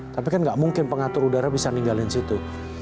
tapi kan nggak mungkin pengatur udara bisa ninggalin situ